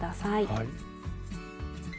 はい。